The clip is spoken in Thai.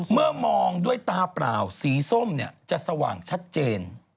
เมื่อมองด้วยตาเปล่าสีส้มจะสว่างชัดเจน